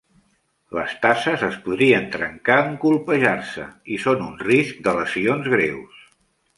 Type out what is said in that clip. Les tasses es podrien trencar en colpejar-se i són un risc de lesions greus.